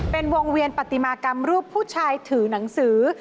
เป็นวงเวียนปฏิมากรรมรูปผู้ชายถือหนังสือ